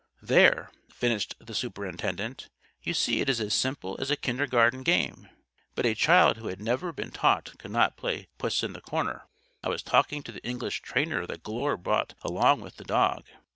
"There," finished the superintendent, "you see it is as simple as a kindergarten game. But a child who had never been taught could not play Puss in the Corner.' I was talking to the English trainer that Glure bought along with the dog.